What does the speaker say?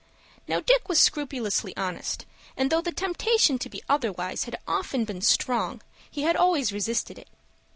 Now Dick was scrupulously honest, and though the temptation to be otherwise had often been strong, he had always resisted it.